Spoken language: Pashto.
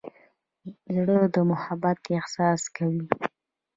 زړه د محبت احساس کوي.